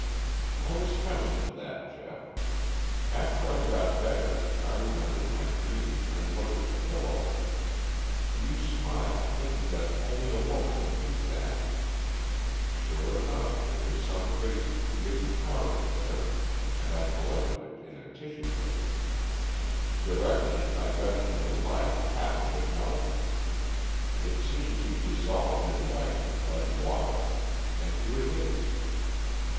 "I was coming to that, Geoff. After I got better I remembered my dream and looked at the pillow. You smile, thinking that only a woman would do that. Sure enough there was some trace of gritty powder there, and I collected it in a tissue paper. Directly I got it to the light half of it melted; it seemed to dissolve in light like water. And here it is."